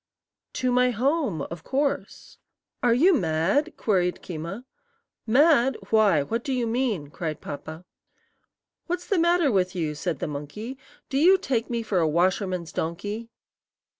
"To my home, of course." "Are you mad?" queried Keema. "Mad? Why, what do you mean?" cried Papa. "What's the matter with you?" said the monkey. "Do you take me for a washerman's donkey?"